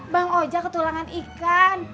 bang ojak ketulangan ikan